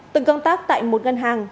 từng công tác tại một ngân hàng